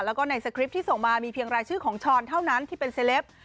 แล้วก็ในสคริปต์ที่ส่งมามีเพียงรายชื่อของช้อนเท่านั้นที่เป็นเซลป